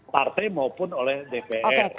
partai maupun oleh dpr